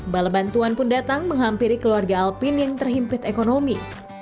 bala bantuan pun datang menghampiri keluarga alpin yang terhimpit ekonomi